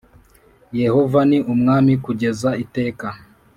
Yehova ni umwami kugeza iteka